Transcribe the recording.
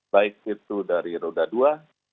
baik itu dari roda dua